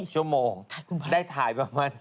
ชั่วโมงได้ถ่ายประมาณ